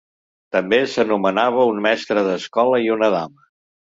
També s'anomenava un mestre d'escola i una dama.